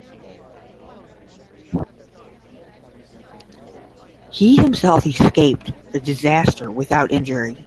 He himself escaped the disaster without injury.